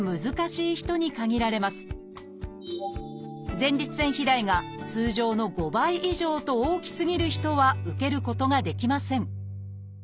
前立腺肥大が通常の５倍以上と大きすぎる人は受けることができません